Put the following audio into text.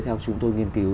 theo chúng tôi nghiên cứu